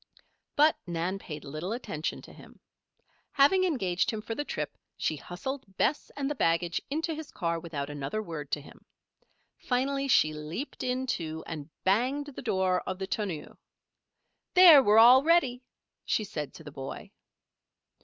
But Nan paid little attention to him. Having engaged him for the trip she hustled Bess and the baggage into his car without another word to him. Finally she leaped in, too, and banged the door of the tonneau. "There! we're all ready," she said to the boy.